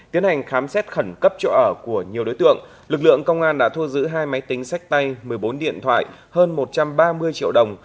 tiến hành khám xét khẩn cấp chỗ ở của nhiều đối tượng lực lượng công an đã thu giữ hai máy tính sách tay một mươi bốn điện thoại hơn một trăm ba mươi triệu đồng